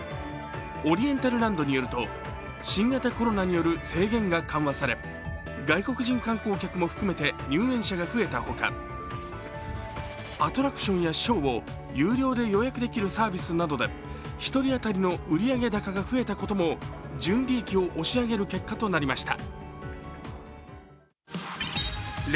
オリエンタルランドによると、新型コロナによる制限が緩和され、外国人観光客も含め入園者が増えたほか、アトラクションやショーを有料で予約できるサービスなどで１人当たりの売上高が増えたことも純利益を押し上げる結果となりました。